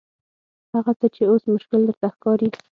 هغه څه چې اوس مشکل درته ښکاري.